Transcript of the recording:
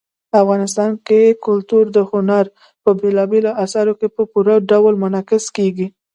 افغانستان کې کلتور د هنر په بېلابېلو اثارو کې په پوره ډول منعکس کېږي.